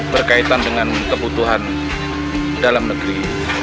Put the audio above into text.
berkaitan dengan kebutuhan dalam negeri